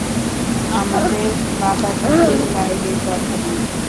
আমাদের বাধাটা ঠিক বাইরের বাধা নয়।